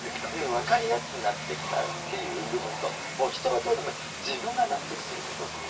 分かりやすくなってきたという部分と、人はどうでもいい、自分が納得すること。